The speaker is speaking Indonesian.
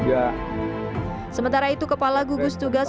bagaimana yang kita ketahui sejak sementara itu kepala gugus tugas